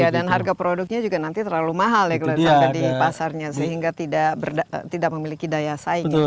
dan harga produknya juga nanti terlalu mahal kalau sampai di pasarnya sehingga tidak memiliki daya saing